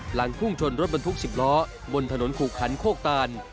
หลังพุ่งชนรถบรรทุก๑๐ล้อบนถนนขู่ขันโคกตาน